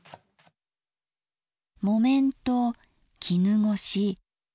木綿と絹ごし。